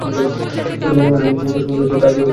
প্রথমে চামড়া থেকে পশমগুলো খসিয়ে তা দিয়ে সুতা তৈরি করেন।